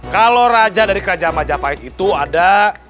kalau raja dari kerajaan majapahit itu ada